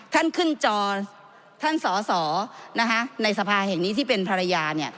ท่านขึ้นจอท่านสอสอในสภาแห่งนี้ที่เป็นภรรยาเนี่ย